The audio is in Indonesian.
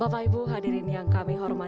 bapak ibu hadirin yang kami hormati